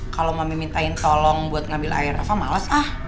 kalau mami mintain tolong buat ngambil air apa males ah